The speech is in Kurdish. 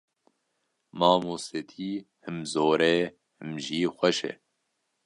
Mamostetî him zor e him jî xweş e.